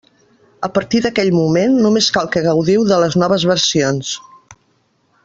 A partir d'aquell moment, només cal que gaudiu de les noves versions.